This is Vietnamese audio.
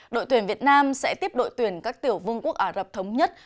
đội tuyển việt nam sẽ tiếp đội tuyển các tiểu vương quốc ả rập thống nhất